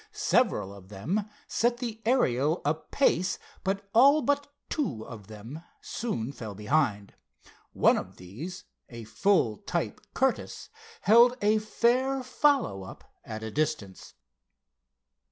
Several of them set the Ariel a pace, but all but two of them soon fell behind. One of these, a full type Curtiss, held a fair follow up at a distance.